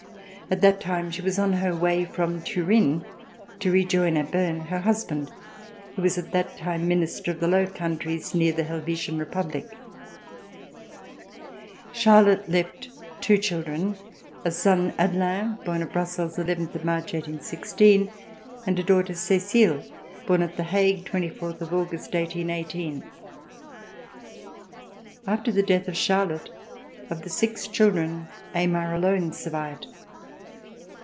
At that time she was on her way from Turin to rejoin at Berne her husband who was at that time Minister of the Low Countries near the Helvetian Republic. Charlotte left two children — a son, Hadelin, born at Brussels, 11 March, 1816, and a daughter, Cecile, born at The Hague, 24 August, 1818. After the death of Charlotte, of the six children, Aymar alone survived.